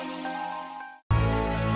ingat unfunjoin terus